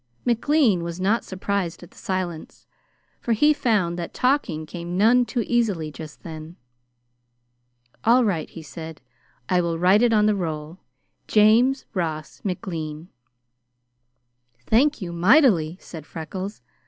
McLean was not surprised at the silence, for he found that talking came none too easily just then. "All right," he said. "I will write it on the roll James Ross McLean." "Thank you mightily," said Freckles.